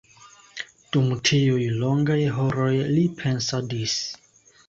Dum tiuj longaj horoj li pensadis.